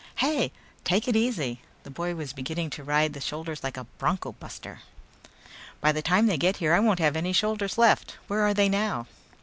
"Hey, take it easy!" The boy was beginning to ride the shoulders like a bronco buster. "By the time they get here I won't have any shoulders left. Where are they now?"